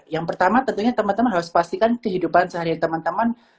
yang pertama tentunya teman teman harus pastikan kehidupan sehari teman teman